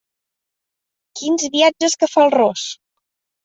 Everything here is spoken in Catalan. Quins viatges que fa el ros!